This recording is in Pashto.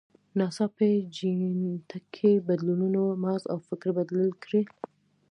ناڅاپي جینټیکي بدلونونو مغز او فکر بدل کړل.